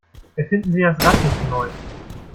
Erfinden Sie das Rad nicht neu!